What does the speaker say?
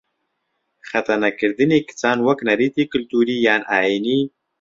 خەتەنەکردنی کچان وەک نەریتی کلتووری یان ئایینی